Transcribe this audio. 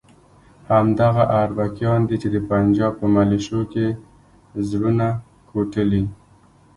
همدغه اربکیان دي چې د پنجاب په ملیشو کې زړونه کوټلي.